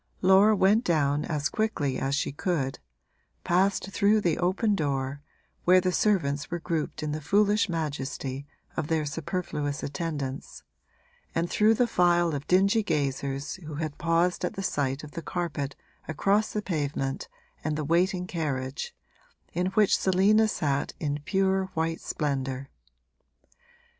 Laura went down as quickly as she could, passed through the open door, where the servants were grouped in the foolish majesty of their superfluous attendance, and through the file of dingy gazers who had paused at the sight of the carpet across the pavement and the waiting carriage, in which Selina sat in pure white splendour.